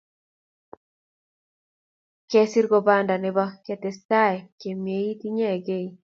Kesir ko panda ne bo ketestai kemieit inyegei